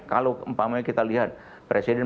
kalau umpamanya kita lihat presiden